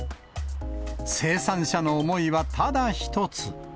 生産者の思いはただ一つ。